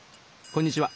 こんにちは。